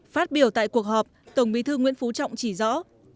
phát biểu tại cuộc họp tổng bí thư nguyễn phú trọng chỉ rõ